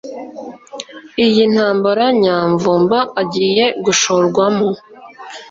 Iyi ntambara Nyamvumba agiye gushorwamo